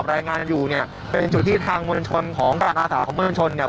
รายงานอยู่เนี่ยเป็นจุดที่ทางมวลชนของการอาสาของเมืองชนเนี่ย